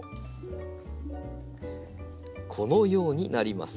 このようになります。